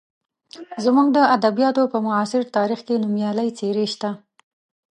زموږ د ادبیاتو په معاصر تاریخ کې نومیالۍ څېرې شته.